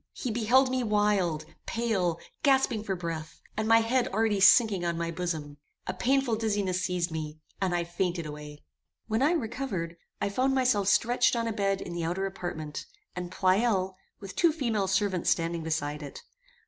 He beheld me wild, pale, gasping for breath, and my head already sinking on my bosom. A painful dizziness seized me, and I fainted away. When I recovered, I found myself stretched on a bed in the outer apartment, and Pleyel, with two female servants standing beside it.